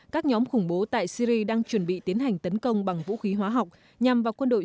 các nhóm khủng bố tại syri đang chuẩn bị tiến hành tấn công bằng vũ khí hóa học nhằm vào quân đội